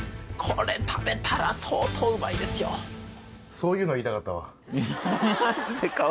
そういうの言いたかった。